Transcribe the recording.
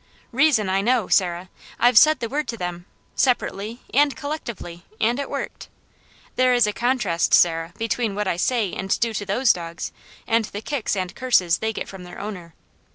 Reason I know, Sarah, I've said the word to them, separately and collectively, and it worked. There is a contrast, Sarah, between what I say and do to those dogs, and the kicks and curses they get from their owner.